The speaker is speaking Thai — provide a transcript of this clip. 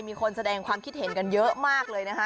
มีคนแสดงความคิดเห็นกันเยอะมากเลยนะคะ